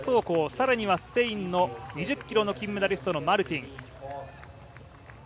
更にはスペインの２０ｋｍの金メダリストのマルティン。